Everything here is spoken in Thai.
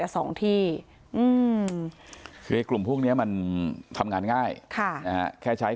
แต่สองที่อืมกลุ่มพวกเนี้ยมันทำงานง่ายค่ะอ่าแค่ใช้